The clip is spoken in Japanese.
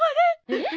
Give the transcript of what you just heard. えっ？